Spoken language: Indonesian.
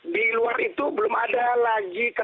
di luar itu belum ada lagi ke